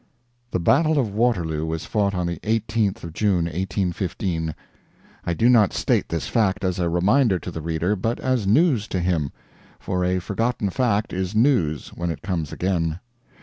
The battle of Waterloo was fought on the 18th of June, 1815. I do not state this fact as a reminder to the reader, but as news to him. For a forgotten fact is news when it comes again.